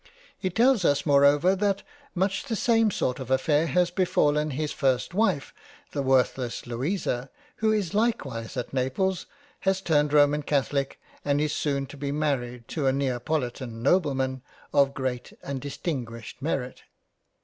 He tells us moreover that much the same sort of affair has befallen his first wife the worthless Louisa who is likewise at Naples had turned Roman catholic, and is soon to be married to a Neapolitan Nobleman of great and Dis tinguished merit.